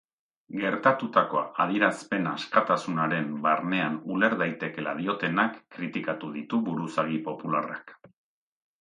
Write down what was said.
Gertatutakoa adierazpen askatasunaren barnean uler daitekeela diotenak kritikatu ditu buruzagi popularrak.